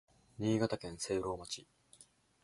新潟県聖籠町